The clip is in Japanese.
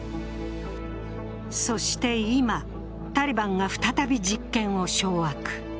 そして今、タリバンが再び実権を掌握。